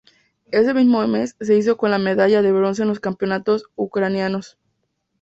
Ese mismo mes se hizo con la medalla de bronce en los Campeonatos ucranianos.